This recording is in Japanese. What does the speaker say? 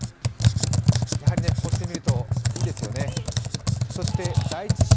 やはりこうしてみると、いいですよね。